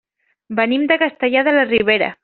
Venim de Castellar de la Ribera.